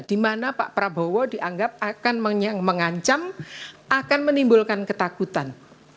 di mana pak prabowo dianggap akan mengancam akan menimbulkan ketakutan